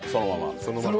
そのまま！